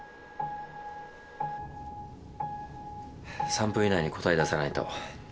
３分以内に答え出さないと。